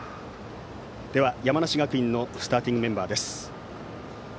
では、山梨学院のスターティングメンバーです。